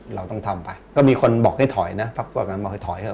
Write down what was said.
เราต้องทำไปก็มีคนบอกให้ถอยนะพักพวกมันบอกให้ถอยเถ